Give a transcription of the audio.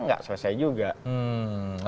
gak selesai juga